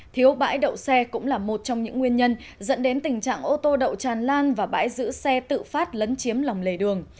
thiếu bãi đậu xe cũng là một trong những nguyên nhân dẫn đến tình trạng ô tô đậu tràn lan và bãi giữ xe tự phát lấn chiếm lòng lề đường